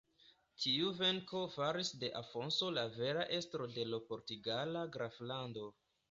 Tiu venko faris de Afonso la vera estro de l' portugala graflando.